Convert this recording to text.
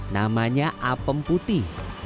namanya apem putih